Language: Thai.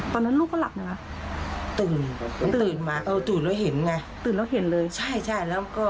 ตอนนั้นลูกก็หลับเนี่ยหรอ